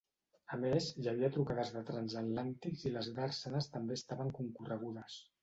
A més, hi havia trucades de transatlàntics i les dàrsenes també estaven concorregudes.